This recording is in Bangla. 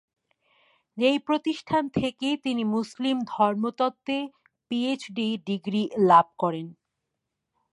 এই প্রতিষ্ঠান থেকেই তিনি মুসলিম ধর্মতত্ত্বে পিএইচডি ডিগ্রি লাভ করেন।